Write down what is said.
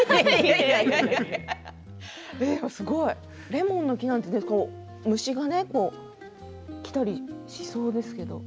レモンの木なんて虫が来たりしそうですけど。